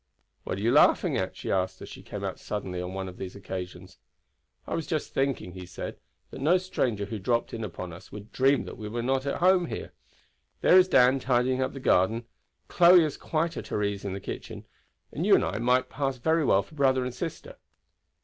"What are you laughing at?" she asked as she came out suddenly on one of these occasions. "I was just thinking," he said, "that no stranger who dropped in upon us would dream that we were not at home here. There is Dan tidying up the garden; Chloe is quite at her ease in the kitchen, and you and I might pass very well for brother and sister."